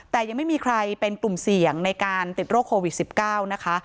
แต่ยังไม่มีใครเป็นกลุ่มเสี่ยงในการติดโรคโควิด๑๙นะคะ